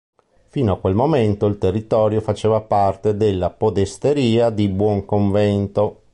Fino a quel momento il territorio faceva parte della podesteria di Buonconvento.